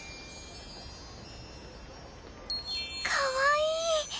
かわいい！